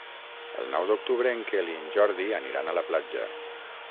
El nou d'octubre en Quel i en Jordi aniran a la platja.